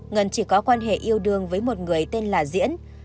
ngân chỉ có quan hệ yêu đương với một người tên là diễn